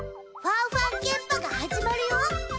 ファンファンケンパが始まるよ。